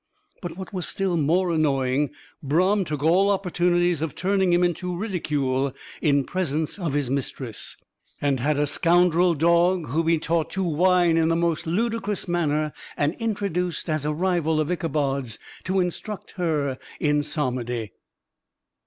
But what was still more annoying, Brom took all opportunities of turning him into ridicule in presence of his mistress, and had a scoundrel dog whom he taught to whine in the most ludicrous manner, and introduced as a rival of Ichabod's, to instruct her in psalmody.